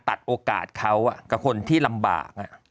ตัดโอกาสเขากับคนที่ลำบาก